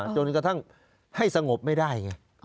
จนกระทั่งให้สงบไม่ได้ไง